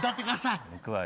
いくわよ。